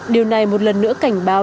điều này một lần nữa cảnh báo